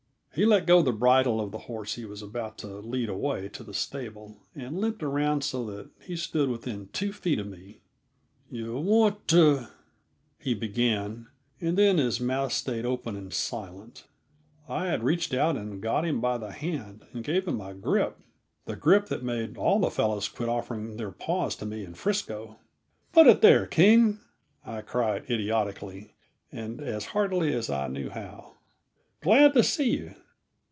He let go the bridle of the horse he was about to lead away to the stable, and limped around so that he stood within two feet of me. "Yuh want to " he began, and then his mouth stayed open and silent. I had reached out and got him by the hand, and gave him a grip the grip that made all the fellows quit offering their paws to me in Frisco. "Put it there, King!" I cried idiotically and as heartily as I knew how. "Glad to see you.